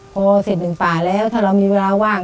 พอเสร็จถึงป่าแล้วถ้าเรามีเวลาว่าง